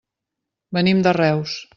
Venim de Reus.